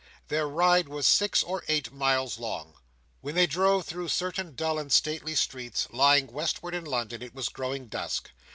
Their ride was six or eight miles long. When they drove through certain dull and stately streets, lying westward in London, it was growing dusk.